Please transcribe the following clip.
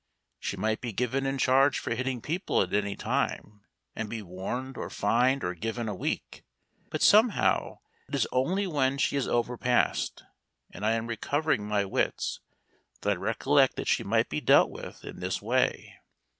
She might be given in charge for hitting people at any time, and be warned, or fined, or given a week. But somehow it is only when she is overpast and I am recovering my wits that I recollect that she might be dealt with in this way.